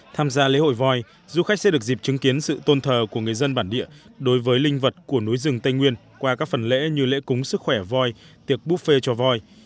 tham gia lễ hội voi du khách sẽ được dịp chứng kiến sự tôn thờ của người dân bản địa đối với linh vật của núi rừng tây nguyên qua các phần lễ như lễ cúng sức khỏe voi tiệc buffet cho voi